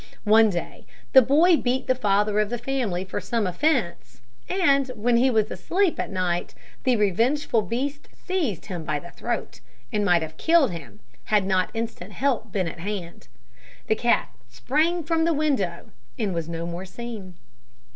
One day the boy beat the father of the family for some offence, and when he was asleep at night the revengeful beast seized him by the throat, and might have killed him had not instant help been at hand. The cat sprang from the window and was no more seen.